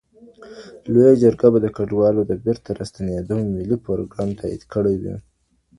لويې جرګي به د کډوالو د بېرته راستنېدو ملي پروګرام تاييد کړی وي.